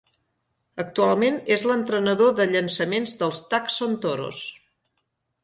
Actualment és l'entrenador de llançaments dels Tucson Toros.